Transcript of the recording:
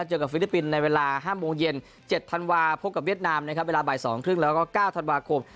แล้วก็เวียดนามเขาก็พัฒนาขึ้นมาแล้วก็อย่างที่บอกเราก็ไม่ประหมัด